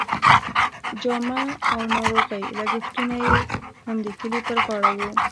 جامه او ناروغۍ لګښتونه یې هم د کلي پر غاړه وو.